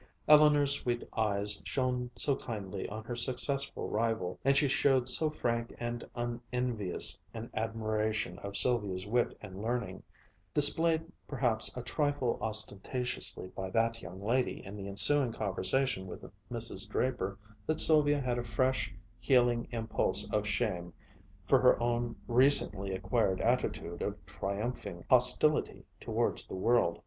Eleanor's sweet eyes shone so kindly on her successful rival, and she showed so frank and unenvious an admiration of Sylvia's wit and learning, displayed perhaps a trifle ostentatiously by that young lady in the ensuing conversation with Mrs. Draper, that Sylvia had a fresh, healing impulse of shame for her own recently acquired attitude of triumphing hostility towards the world.